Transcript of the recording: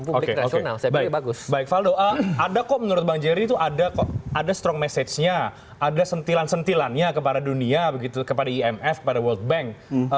kok menurut bang jerry itu ada strong message nya ada sentilan sentilannya kepada dunia kepada imf kepada world bank